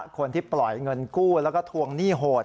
คนที่ปล่อยเงินกู้แล้วก็ทวงหนี้โหด